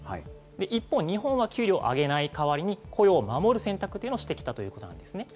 一方、日本は給料を上げない代わりに雇用を守る選択というのをしてきたということなんですね。